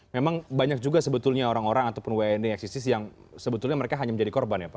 memang banyak juga sebetulnya orang orang ataupun wni eksisis yang sebetulnya mereka hanya menjadi korban ya pak